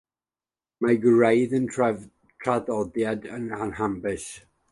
Mae gwraidd y traddodiad yn anhysbys.